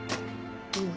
うん。